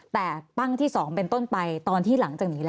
แต่ปั้งที่๒เป็นต้นไปตอนที่หลังจากนี้แล้ว